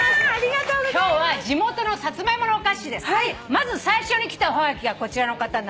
まず最初に来たおはがきがこちらの方なんです。